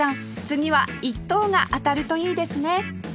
次は１等が当たるといいですね